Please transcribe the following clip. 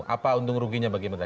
apa untung ruginya bagi mereka